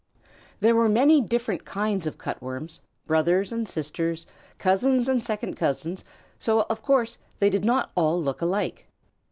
There were many different kinds of Cut Worms, brothers and sisters, cousins and second cousins, so, of course, they did not all look alike.